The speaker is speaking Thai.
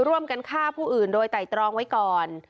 ร่วมกันฆ่าผู้อื่นโดยไตรตรองไว้ก่อน